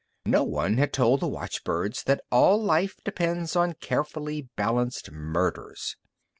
No one had told the watchbirds that all life depends on carefully balanced murders.